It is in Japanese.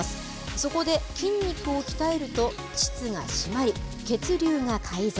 そこで筋肉を鍛えると、膣がしまり、血流が改善。